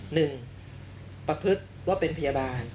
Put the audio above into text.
ประพฤติว่าเป็นพยาบาล